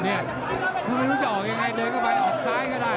ไม่รู้จะออกยังไงเดินเข้าไปออกซ้ายก็ได้